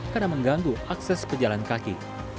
karena mengganggu akses pejalan kaki